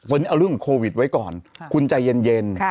เอาเรื่องโควิดไว้ก่อนคุณใจเย็น